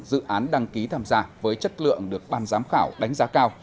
dự án đăng ký tham gia với chất lượng được ban giám khảo đánh giá cao